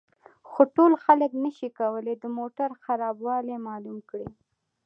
خو ټول خلک نشي کولای د موټر خرابوالی معلوم کړي